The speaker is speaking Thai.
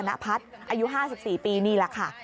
อายุ๕๔ปีนี่แหละค่ะ